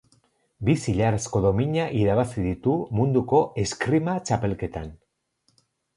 Bi zilarrezko domina irabazi ditu Munduko Eskrima Txapelketan